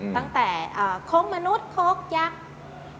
ตั้งแต่โค๊กมนุษย์โค๊กยักษ์